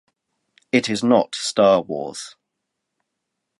It is not Star Wars.